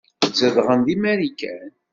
Zedɣen deg Marikan.